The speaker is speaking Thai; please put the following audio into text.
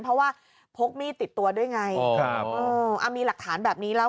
เพราะว่าพกมีดติดตัวด้วยไงครับเออมีหลักฐานแบบนี้แล้ว